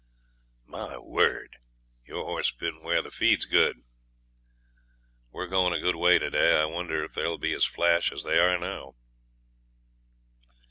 'My word! your horse's been where the feed's good. We're goin' a good way to day. I wonder if they'll be as flash as they are now.'